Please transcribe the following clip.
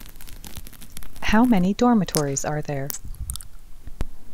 How many dormitories are there?